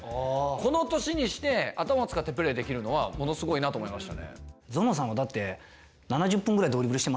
この年にして頭を使ってプレーできるのはものすごいなと思いましたね。